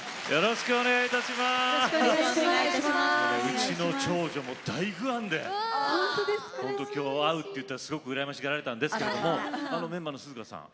うちの長女も大ファンでほんと今日会うって言ったらすごく羨ましがられたんですけれどもメンバーのＳＵＺＵＫＡさん